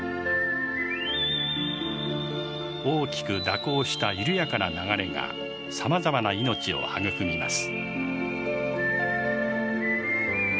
大きく蛇行した緩やかな流れがさまざまな命を育みます。